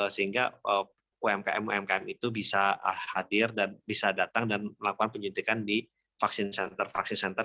sehingga umkm umkm itu bisa hadir dan bisa datang dan melakukan penyuntikan di vaksin center vaksin center